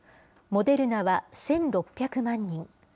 モデルナは１６００万人。